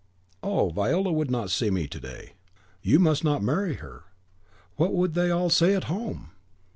"Oh, Viola could not see me to day." "You must not marry her. What would they all say at home?"